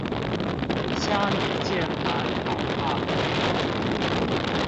蝦米鍵盤好棒